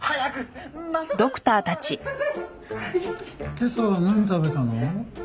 今朝は何食べたの？